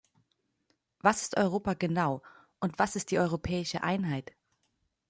Was ist Europa genau, und was ist die europäische Einheit?